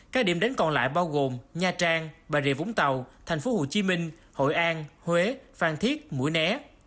các điểm đến còn lại bao gồm nha trang bà rịa vũng tàu thành phố hồ chí minh hội an huế phan thiết mũi né